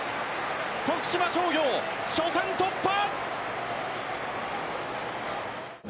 徳島商業、初戦突破。